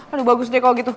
aduh bagus deh kalo gitu